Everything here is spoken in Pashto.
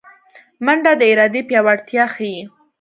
منډه د ارادې پیاوړتیا ښيي